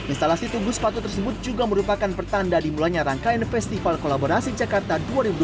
instalasi tubuh sepatu tersebut juga merupakan pertanda dimulainya rangkaian festival kolaborasi jakarta dua ribu dua puluh